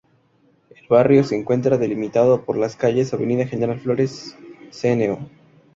El barrio se encuentra delimitado por las calles: Avenida General Flores, Cno.